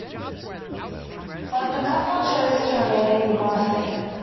But the couple chose to remain in Grasse.